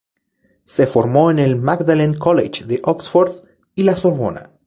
Se formó en el Magdalen College de Oxford y La Sorbona.